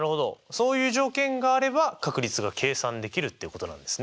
そういう条件があれば確率が計算できるっていうことなんですね。